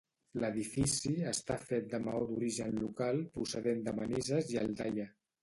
L'edifici està fet de maó d'origen local, procedent de Manises i Aldaia.